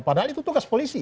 padahal itu tugas polisi